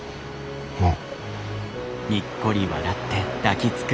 もう。